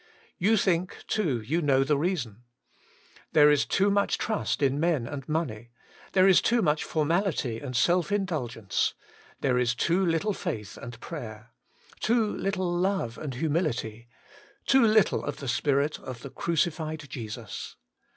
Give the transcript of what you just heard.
You think, to , y^^u know the 86 WAITING ON GOD! reason. There is too much trust in men and money ; there is too much formality and self indulgence ; there is too little faith and prayer ; too little love and humility; too little of the spirit of the crucified Jesus.